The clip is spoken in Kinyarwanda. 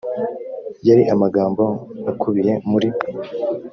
yari amagambo akubiye muri